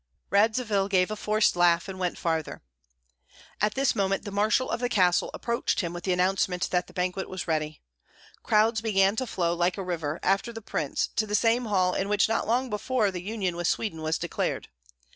Radzivill gave a forced laugh and went farther. At this moment the marshal of the castle approached him with the announcement that the banquet was ready. Crowds began to flow, like a river, after the prince to the same hall in which not long before the union with Sweden was declared.